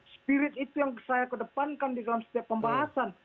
spirit itu yang saya kedepankan di dalam setiap pembahasan